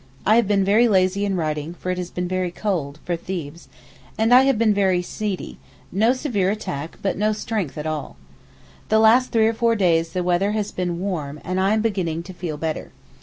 I have been very lazy in writing, for it has been very cold (for Thebes), and I have been very seedy—no severe attack, but no strength at all. The last three or four days the weather has been warm, and I am beginning to feel better.